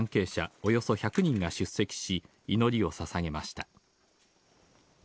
およそ１００人が出席し、祈りをささげました。